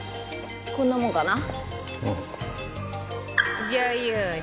こんなもんかな？